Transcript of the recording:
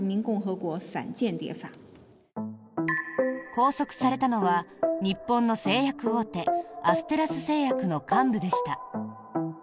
拘束されたのは日本の製薬大手アステラス製薬の幹部でした。